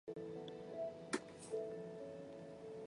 是神户港的象征之一。